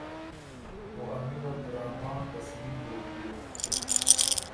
او امیر عبدالرحمان تسلیم دوک بیوک۔